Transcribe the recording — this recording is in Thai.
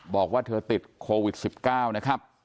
บอกว่าเธอติดโควิด๑๙นะครับ